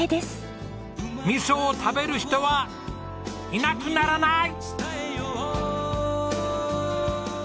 味噌を食べる人はいなくならない！